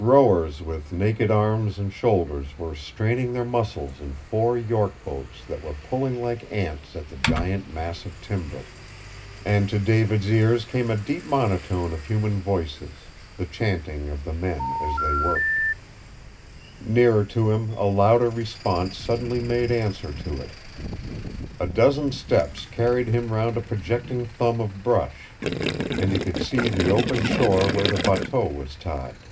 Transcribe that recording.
Rowers with naked arms and shoulders were straining their muscles in four York boats that were pulling like ants at the giant mass of timber. And to David's ears came a deep monotone of human voices, the chanting of the men as they worked. Nearer to him a louder response suddenly made answer to it. A dozen steps carried him round a projecting thumb of brush, and he could see the open shore where the bateau was tied.